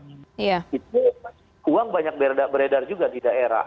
itu uang banyak beredar juga di daerah